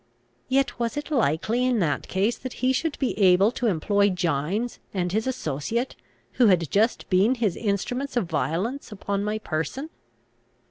Yet was it likely in that case that he should be able to employ Gines and his associate, who had just been his instruments of violence upon my person?